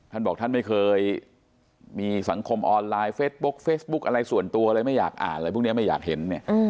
ท่านบอกท่านไม่เคยมีสังคมออนไลน์เฟสบุ๊กเฟซบุ๊กอะไรส่วนตัวอะไรไม่อยากอ่านอะไรพวกนี้ไม่อยากเห็นเนี่ย